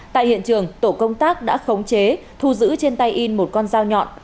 tại hiện trường tổ công tác đã khống chế thu giữ trên tay in một con dao nhọn